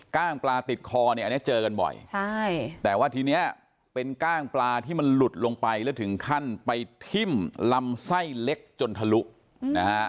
้างปลาติดคอเนี่ยอันนี้เจอกันบ่อยใช่แต่ว่าทีเนี้ยเป็นก้างปลาที่มันหลุดลงไปแล้วถึงขั้นไปทิ้มลำไส้เล็กจนทะลุนะฮะ